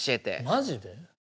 マジで？